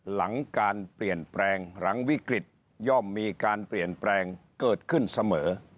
หลังการเปลี่ยนแปลงหลังวิกฤตย่อมมีการเปลี่ยนแปลงเกิดขึ้นเสมอ